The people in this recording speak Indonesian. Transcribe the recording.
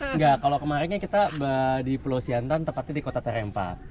enggak kalau kemarin kita di pulau siantan tepatnya di kota terempa